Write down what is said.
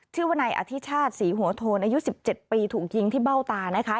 วนายอธิชาติศรีหัวโทนอายุ๑๗ปีถูกยิงที่เบ้าตานะคะ